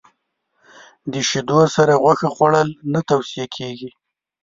د شیدو سره غوښه خوړل نه توصیه کېږي.